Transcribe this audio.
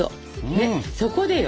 ねっそこでよ！